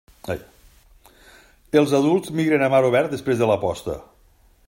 Els adults migren a mar obert després de la posta.